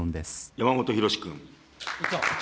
山本博司君。